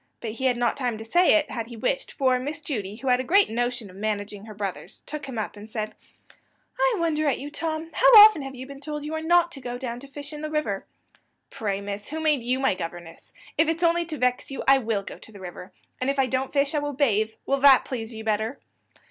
but he had not time to say it, had he wished; for Miss Judy, who had a great notion of managing her brothers, took him up, and said: "I wonder at you, Tom. How often have you been told that you are not to go down to fish in the river?" "Pray, miss, who made you my governess? If it's only to vex you, I will go to the river if I don't fish I will bathe. Will that please you better?"